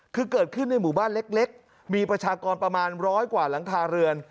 คือเกิดขึ้นในหมู่บ้านเล็กมีประชากรประมาณร้อยกว่าหลังคาเรือน